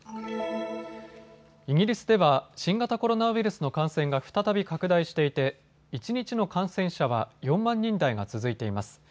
イギリスでは新型コロナウイルスの感染が再び拡大していて一日の感染者は４万人台が続いています。